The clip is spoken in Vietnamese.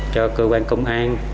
cho cơ quan công an